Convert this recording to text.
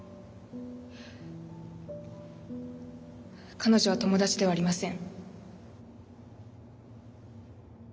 彼女は友達ではありません。